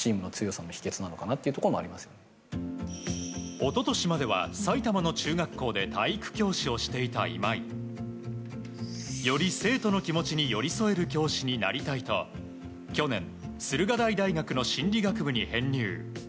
一昨年までは埼玉の中学校で体育教師をしていた今井。より生徒の気持ちに寄り添える教師になりたいと去年駿河台大学の心理学部に編入。